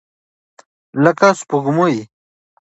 لکه سپوږمۍ.